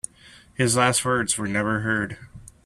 His last words were never heard.